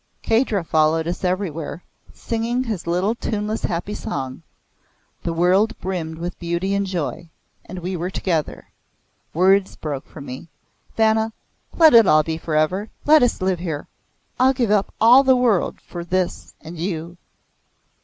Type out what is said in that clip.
Kahdra followed us everywhere, singing his little tuneless happy song. The world brimmed with beauty and joy. And we were together. Words broke from me. "Vanna, let it be for ever! Let us live here. I'll give up all the world for this and you."